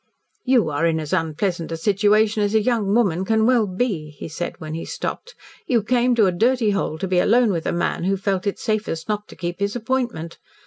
"You are in as unpleasant a situation as a young woman can well be," he said, when he stopped. "You came to a dirty hole to be alone with a man who felt it safest not to keep his appointment.